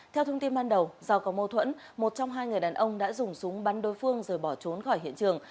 theo thông tin ban đầu do có mâu thuẫn một trong hai người đàn ông đã dùng súng bắn đối phương rồi bỏ trốn khỏi hiện trường